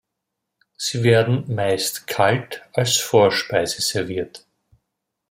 Sie werden meist kalt als Vorspeise serviert.